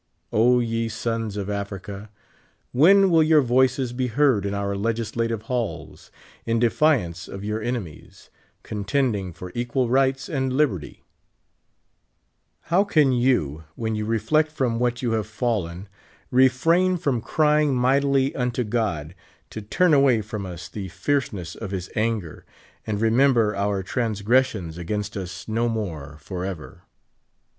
O ye sons of Africa, when will your voices be heard in our legislative halls, in defi ance of your enemies, contending for equal rights and liberty ? How can you, when you reflect from what you have fallen, refrain from crying mightily unto God, to 69 turn awaj' from us the fierceness of his anjrer, aiul reincm her our transgres ions at^ainst us no more forever.